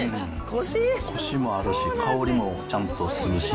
こしもあるし、香りもちゃんとするし。